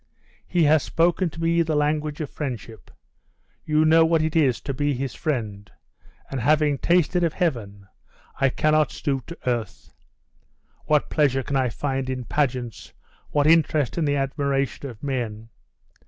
He has spoken to me the language of friendship you know what it is to be his friend and having tasted of heaven, I cannot stoop to earth. What pleasure can I find in pageants? what interest in the admiration of men?